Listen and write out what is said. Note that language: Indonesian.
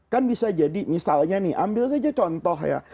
kan bisa jadi misalnya nih ambil saja contoh ya